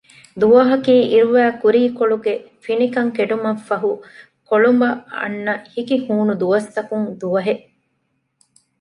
ދުވަހަކީ އިރުވައި ކުރީކޮޅުގެ ފިނިކަން ކެނޑުމަށް ފަހު ކޮޅުނބަށް އަންނަ ހިކި ހޫނު ދުވަސްތަކުން ދުވަހެއް